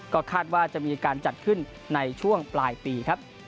ก็คาดว่าจะมีการจัดขึ้นในช่วงปลายปีครับ